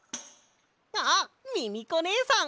あっミミコねえさん！